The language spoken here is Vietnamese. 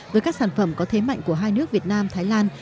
với các sản phẩm có thế mạnh của hai nước việt nam thái lan